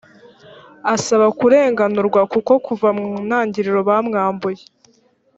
asaba kurenganurwa kuko kuva mu ntangiriro bamwambuye